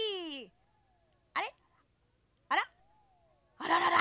あららら！